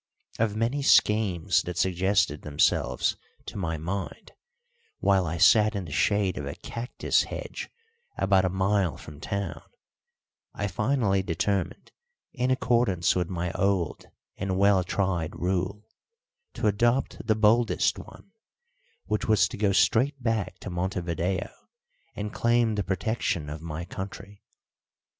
Of many schemes that suggested themselves to my mind, while I sat in the shade of a cactus hedge about a mile from town, I finally determined, in accordance with my old and well tried rule, to adopt the boldest one, which was to go straight back to Montevideo and claim the protection of my country.